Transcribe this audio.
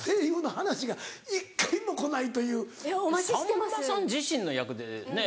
さんまさん自身の役でね。